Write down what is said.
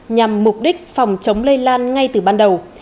nhằm mục đích phòng chống lây lan ngay từ ban đầu